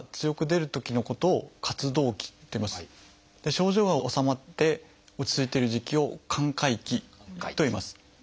症状が治まって落ち着いてる時期を「寛解期」といいます。